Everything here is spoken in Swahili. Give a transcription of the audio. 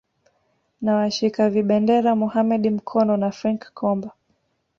na washika vibendera Mohamed Mkono na Frank Komba